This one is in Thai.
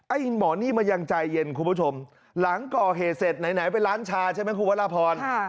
หมอนี่มันยังใจเย็นคุณผู้ชมหลังก่อเหตุเสร็จไหนไปร้านชาใช่ไหมคุณวรพร